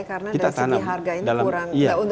karena dari sisi harga ini kurang